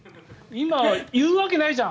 今は言うわけないじゃん！